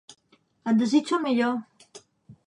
Et desitjo el millor